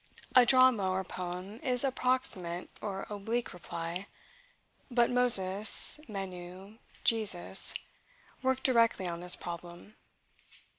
A drama or poem is a proximate or oblique reply; but Moses, Menu, Jesus, work directly on this problem.